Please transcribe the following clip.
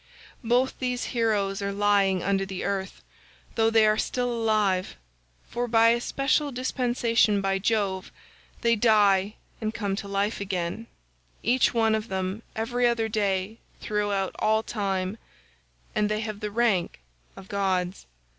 Both these heroes are lying under the earth, though they are still alive, for by a special dispensation of Jove, they die and come to life again, each one of them every other day throughout all time, and they have the rank of gods.